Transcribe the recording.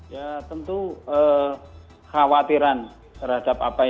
ya tentu khawatiran terhadap apa yang